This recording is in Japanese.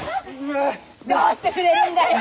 どうしてくれるんだ！